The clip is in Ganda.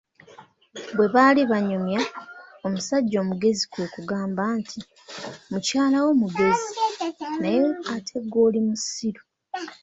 Bwe baali banyumya, omusajja omugezi kwe kugamba nti, mukyala wo mugezi, naye ate gwe oli musiru.